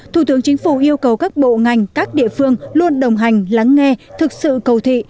thủ tướng chính phủ yêu cầu các bộ ngành các địa phương luôn đồng hành lắng nghe thực sự cầu thị